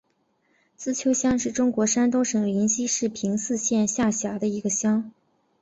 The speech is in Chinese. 资邱乡是中国山东省临沂市平邑县下辖的一个乡。